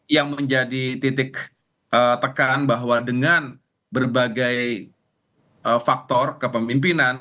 yang menjadi titik tekan bahwa dengan berbagai faktor kepemimpinan